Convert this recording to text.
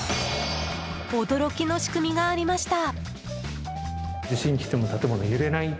驚きの仕組みがありました。